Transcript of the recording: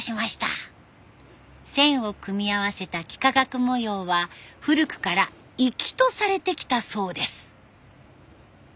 線を組み合わせた幾何学模様は古くから粋とされてきたそうです。